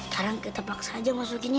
kadang kita paksa aja masukinnya